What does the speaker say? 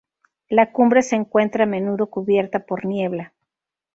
La cumbre se encuentra a menudo cubierta por niebla.